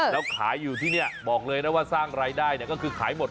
แล้วขายอยู่ที่นี่บอกเลยนะว่าสร้างรายได้ก็คือขายหมด